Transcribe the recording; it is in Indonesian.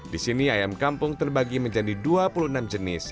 di sini ayam kampung terbagi menjadi dua puluh enam jenis